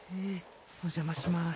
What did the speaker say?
お邪魔します。